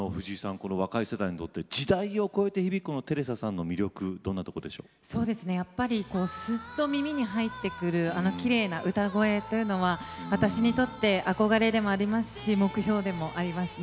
時代を超えて響くテレサさんの魅力すっと耳に入ってくるきれいな歌声は私にとって憧れでもありますし目標でもあります。